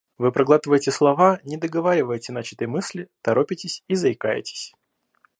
Вы проглатываете слова, не договариваете начатой мысли, торопитесь и заикаетесь.